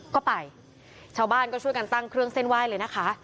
ก็ไปชาวบ้านก็ช่วยกันตั้งเครื่องเส้นไหว้เลยนะคะ